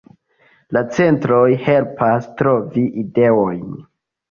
La centroj helpas trovi ideojn.